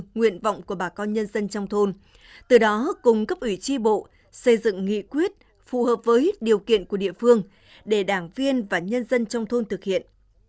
nguyện vọng của bà con nhân dân trong thôn từ đó cung cấp ủy tri bộ xây dựng nghị quyết phù hợp với điều kiện của địa phương để đảng viên và nhân dân trong thôn thực hiện